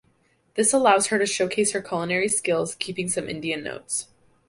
This allows her to showcase her culinary skills keeping some Indian notes.